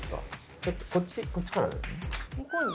こっちこっちからだよね。